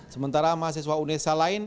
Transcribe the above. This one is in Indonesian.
sementara mahasiswa unesa lain